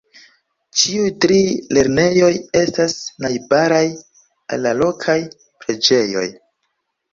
Ĉiuj tri lernejoj estas najbaraj al la lokaj preĝejoj.